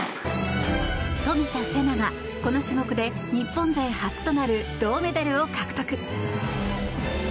冨田せながこの種目で日本勢初となる銅メダルを獲得。